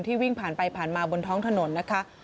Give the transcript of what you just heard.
วิ่งผ่านไปผ่านมาบนท้องถนนนะคะ